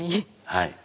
はい。